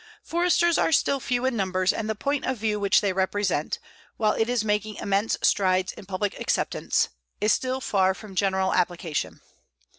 Foresters are still few in numbers, and the point of view which they represent, while it is making immense strides in public acceptance, is still far from general application.